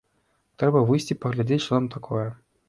Трэба выйсці паглядзець, што там такое.